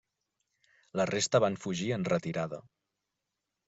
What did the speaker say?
La resta van fugir en retirada.